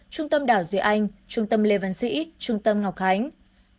trung tâm đảo duy anh trung tâm lê văn sĩ trung tâm ngọc khánh